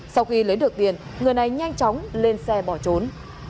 sau khi lấy được tiền người này nhanh chóng lên xe bỏ trốn